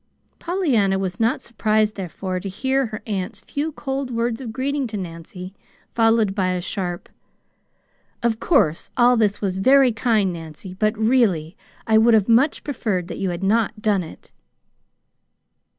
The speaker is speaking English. Pollyanna was not surprised, therefore, to hear her aunt's few cold words of greeting to Nancy followed by a sharp: "Of course all this was very kind, Nancy; but, really, I would have much preferred that you had not done it."